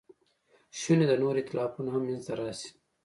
شونې ده نور ایتلافونه هم منځ ته راشي.